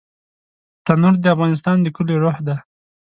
تنور د افغانستان د کليو روح دی